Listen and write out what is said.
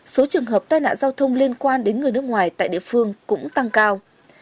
số trường hợp tai nạn giao thông liên quan đến người nước ngoài tại địa phương cũng tăng cao